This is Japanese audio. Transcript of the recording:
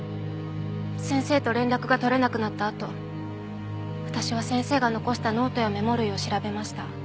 先生と連絡が取れなくなったあと私は先生が残したノートやメモ類を調べました。